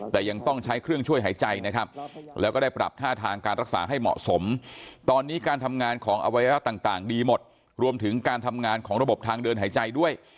แต่ยังต้องใช้เครื่องช่วยหายใจนะครับแล้วก็ได้ปรับท่าทางการรักษาให้เหมาะสมตอนนี้การทำงานของอวัยวะต่างดีหมดรวมถึงการทำงานของระบบทางเดินหายใจด้วย